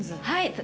はい。